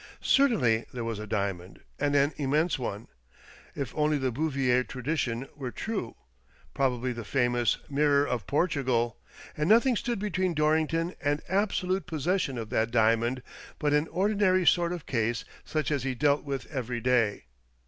Certainly there was a diamond, and an immense one ; if only the Bouvier tradition were true, probably the famous " Mirror of Portugal "; and nothing stood between Dorrington and abso lute possession of that diamond but an ordinary sort of case such as he dealt with every daj'.